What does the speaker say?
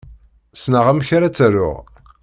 Ssneɣ amek ara t-aruɣ.